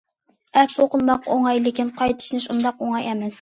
ئەپۇ قىلماق ئوڭاي، لېكىن قايتا ئىشىنىش ئۇنداق ئوڭاي ئەمەس.